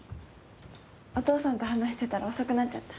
お父さんと話してたら遅くなっちゃった。